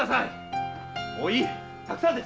もうたくさんです！